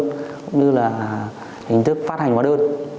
cũng như là hình thức phát hành hóa đơn